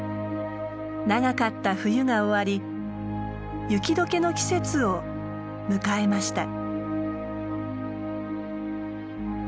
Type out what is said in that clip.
長かった冬が終わり雪解けの季節を迎えました。